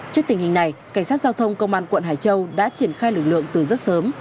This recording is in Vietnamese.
trước tình hình này cảnh sát giao thông công an quận hải châu đã triển khai lực lượng từ rất sớm